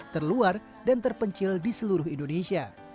terluar dan terpencil di seluruh indonesia